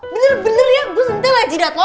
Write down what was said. bener bener ya gue sentih lah jidat lo